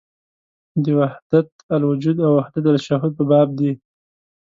د وحدت الوجود او وحدت الشهود په باب ده.